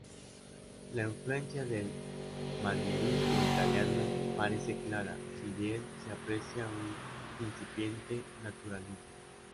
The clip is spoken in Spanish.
La influencia del manierismo italiano parece clara, si bien se aprecia un incipiente naturalismo.